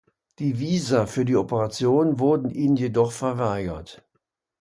Die Visa für die Operation wurden ihnen jedoch verweigert.